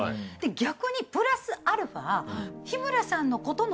逆にプラスアルファ。